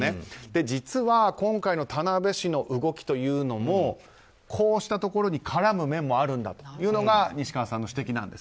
実は今回の田辺市の動きというのもこうしたところに絡む面もあるんだというのが西川さんの指摘なんです。